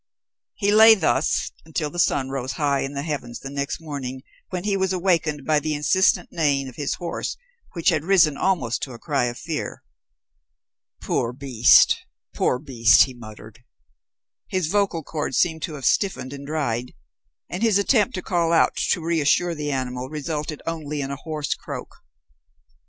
He lay thus until the sun rose high in the heavens the next morning, when he was awakened by the insistent neighing of his horse which had risen almost to a cry of fear. "Poor beast. Poor beast," he muttered. His vocal chords seemed to have stiffened and dried, and his attempt to call out to reassure the animal resulted only in a hoarse croak.